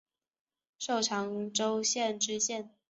授长洲县知县。